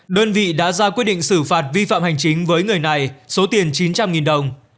đơn vị đã ra quyết định xử phạt vi phạm hành chính với người này số tiền chín trăm linh đồng